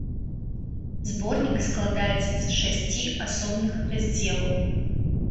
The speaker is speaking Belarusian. Зборнік складаецца з шасці асобных раздзелаў.